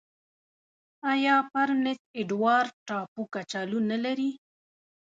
آیا پرنس اډوارډ ټاپو کچالو نلري؟